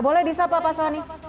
boleh bisa pak paswani